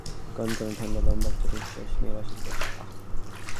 সেদিন এয়ারপোর্ট থেকে বেরিয়েই কনকনে ঠান্ডায় লম্বা একটা নিশ্বাস নিয়ে রাশেদ বলেছিল, আহ।